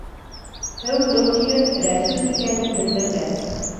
«Һеү-һеү» килеп, Рәсүл икәнен белдерҙе.